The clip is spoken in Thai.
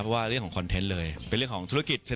เป็นเรื่องของเทลศภะกิจธุรกิจทุน